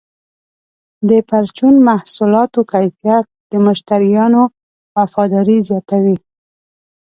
د پرچون محصولاتو کیفیت د مشتریانو وفاداري زیاتوي.